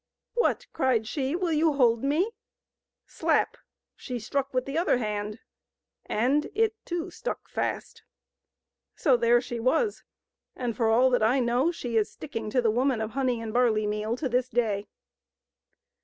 "What!" cried she, "will you hold me?" — slapf—sh^ struck with the other hand, and it too stuck fast. So there she was, and, for all that I know, she is sticking to the woman of honey and barley meal to this day.